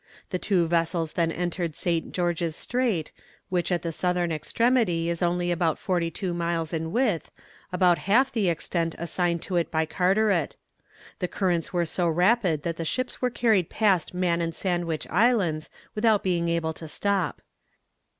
The two vessels then entered St. George's Strait, which at the southern extremity is only about forty two miles in width, about half the extent assigned to it by Carteret. The currents were so rapid that the ships were carried past Man and Sandwich Islands, without being able to stop.